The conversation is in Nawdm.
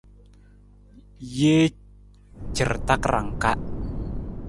Jee car takarang ka.